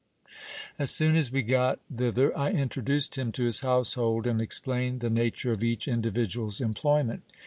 As soon as we got thither, I introduced him to his household, and explained the nature of each individual's employment.